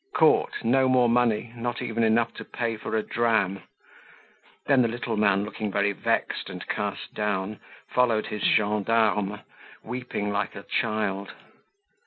Caught, no more money, not even enough to pay for a dram! Then the little man, looking very vexed and cast down, followed his gendarme, weeping like a child.